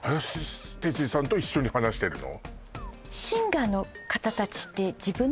林哲司さんと一緒に話してるの？